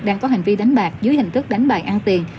đang có hành vi đánh bạc dưới hình thức đánh bài ăn tiền